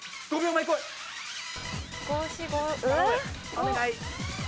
お願い！